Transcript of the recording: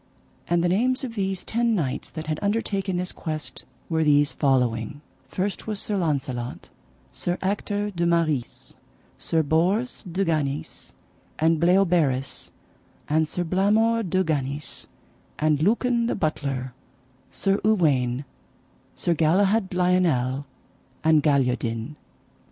And the names of these ten knights that had undertaken this quest were these following: First was Sir Launcelot, Sir Ector de Maris, Sir Bors de Ganis, and Bleoberis, and Sir Blamore de Ganis, and Lucan the Butler, Sir Uwaine, Sir Galihud Lionel, and Galiodin.